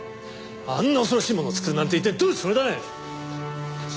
あんな恐ろしいものを作るなんて一体どういうつもりだね！